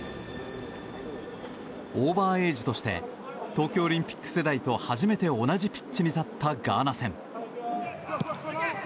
オーバーエージとして東京オリンピック世代と初めて同じピッチに立ったガーナ戦。